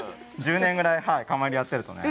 １０年ぐらい釜炒りやってるとね。